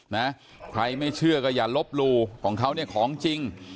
นะใครไม่เชื่อก็อย่าลบหลู่ของเขาเนี่ยของจริง